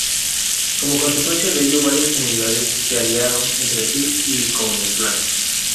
Como consecuencia de ello varias comunidades se aliaron entre sí y con los blancos.